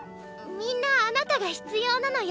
みんなあなたが必要なのよ。